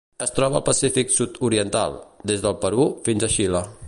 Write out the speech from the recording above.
Es troba al Pacífic sud-oriental: des del Perú fins a Xile.